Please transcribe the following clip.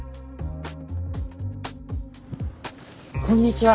こんにちは